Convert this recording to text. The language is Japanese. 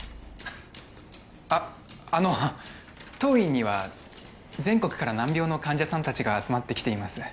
ああの当院には全国から難病の患者さん達が集まってきています